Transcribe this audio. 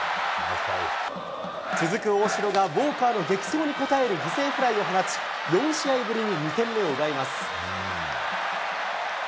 続く大城がウォーカーの激走に応える犠牲フライを放ち、４試合ぶりに２点目を奪います。